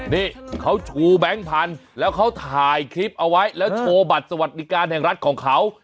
นี่เขาชูแบงค์พันธุ์แล้วเขาถ่ายคลิปเอาไว้แล้วโชว์บัตรสวัสดิการแห่งรัฐของเขา